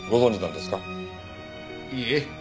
いいえ。